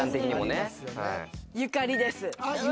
ゆかりです。